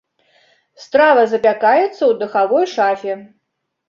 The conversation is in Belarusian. Страва запякаецца ў духавой шафе.